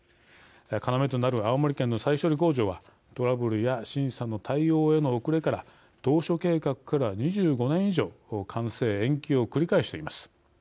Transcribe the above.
要となる青森県の再処理工場はトラブルや審査の対応への遅れから、当初計画から２５年以上、完成延期を繰り返しています。